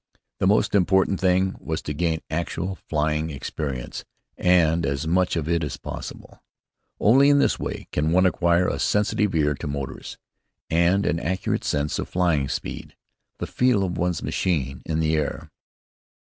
The most important thing was to gain actual flying experience, and as much of it as possible. Only in this way can one acquire a sensitive ear for motors, and an accurate sense of flying speed: the feel of one's machine in the air.